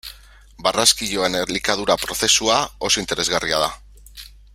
Barraskiloaren elikadura prozesua oso interesgarria da.